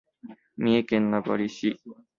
三重県名張市